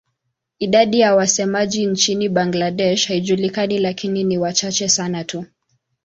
Idadi ya wasemaji nchini Bangladesh haijulikani lakini ni wachache sana tu.